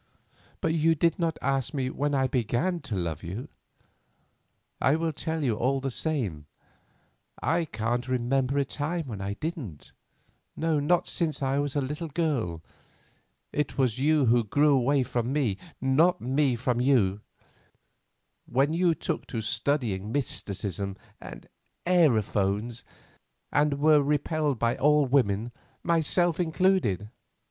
But you did not ask me when I began to love you. I will tell you all the same. I can't remember a time when I didn't; no, not since I was a little girl. It was you who grew away from me, not me from you, when you took to studying mysticism and aerophones, and were repelled by all women, myself included."